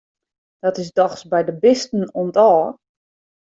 Dat is dochs by de bisten om't ôf!